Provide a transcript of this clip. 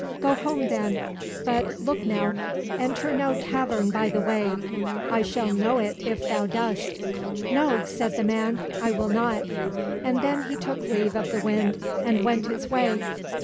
" Go home, then, but look now, enter no tavern by the way ; 1 shall know it if thou dost." —" No," said the man, " I will not." And then he took leave of the Wind and went his way.